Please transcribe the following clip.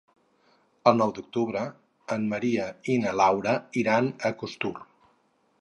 El nou d'octubre en Maria i na Laura iran a Costur.